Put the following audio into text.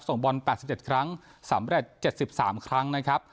ส่งบอล๘๗ครั้งสำเร็จ๗๓ครั้งนะครับ